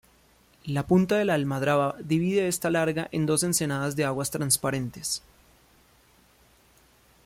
La Punta de la Almadraba divide esta larga en dos ensenadas de aguas transparentes.